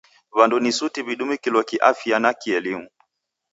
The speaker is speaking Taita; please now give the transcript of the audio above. W'andu ni suti w'idumikilo kiafya na kielimu.